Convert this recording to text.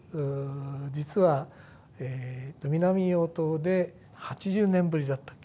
実は南硫黄島で８０年ぶりだったっけ？